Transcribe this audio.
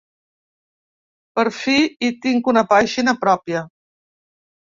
Per fi hi tinc una pàgina pròpia.